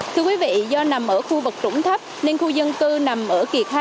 thưa quý vị do nằm ở khu vực trũng thấp nên khu dân cư nằm ở kiệt hai trăm linh m hai